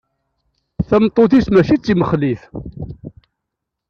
Tameṭṭut-is mačči d timexlit.